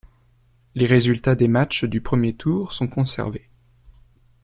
Les résultats des matchs du premier tour sont conservés.